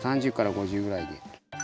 ３０から５０ぐらいで。